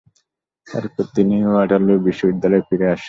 এরপর তিনি ওয়াটারলু বিশ্ববিদ্যালয়ে ফিরে আসেন।